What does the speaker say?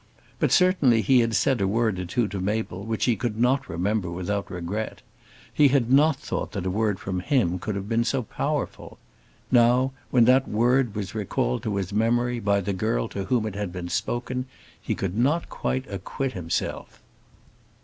But certainly he had said a word or two to Mabel which he could not remember without regret. He had not thought that a word from him could have been so powerful. Now, when that word was recalled to his memory by the girl to whom it had been spoken, he could not quite acquit himself.